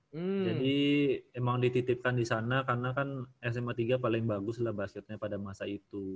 jadi emang dititipkan disana karena kan sma tiga paling bagus lah basketnya pada masa itu